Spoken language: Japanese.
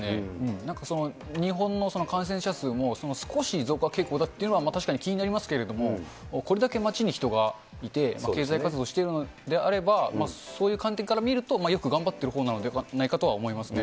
なんか日本の感染者数も、少し増加傾向だっていうのは確かに気になりますけれども、これだけ街に人がいて、経済活動してるのであれば、そういう観点から見るとよく頑張ってるほうなのではないかと思いますね。